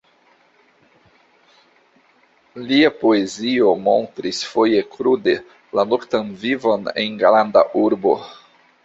Lia poezio montris, foje krude, la noktan vivon en granda urbo.